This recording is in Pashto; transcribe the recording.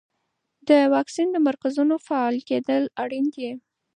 د واکسین د مرکزونو فعالیدل اړین دي.